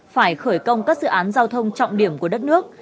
phải khởi công các dự án giao thông trọng điểm của đất nước